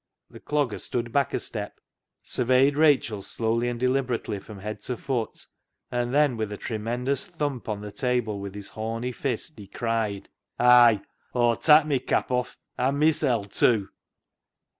The C logger stood back a step, surveyed Rachel slowly and deliberately from head to foot, and then with a tremendous thump on the table with his horny fist, he cried —" Ay, Aw'll tak' my cap off an' mysel' tew."